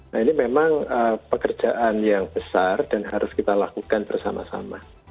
nah ini memang pekerjaan yang besar dan harus kita lakukan bersama sama